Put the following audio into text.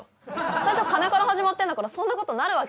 最初金から始まってんだからそんなことなるわけないじゃん。